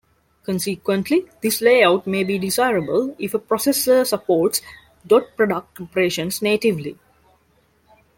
Consequently, this layout may be desirable if a processor supports dot product operations natively.